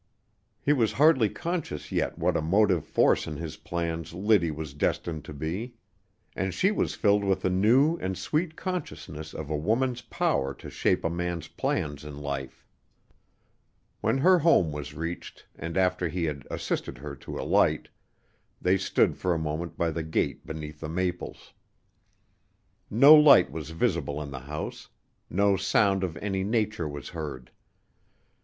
He was hardly conscious yet what a motive force in his plans Liddy was destined to be; and she was filled with a new and sweet consciousness of a woman's power to shape a man's plans in life. When her home was reached, and after he had assisted her to alight, they stood for a moment by the gate beneath the maples. No light was visible in the house; no sound of any nature was heard.